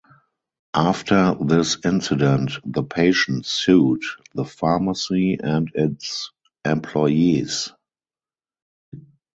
After this incident, the patient sued the pharmacy and its employees.